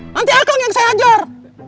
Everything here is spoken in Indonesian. nanti akang yang saya ajar